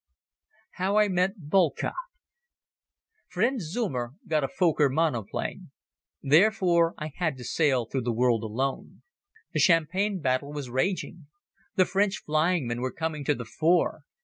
How I Met Boelcke FRIEND Zeumer got a Fokker Monoplane. Therefore I had to sail through the world alone. The Champagne battle was raging. The French flying men were coming to the fore.